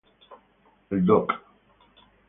El Doc.